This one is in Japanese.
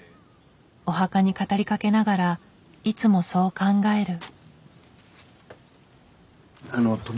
お墓に語りかけながらいつもそう考える。